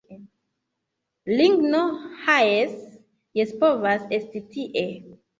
Ligno, ha jes, jes povas esti tie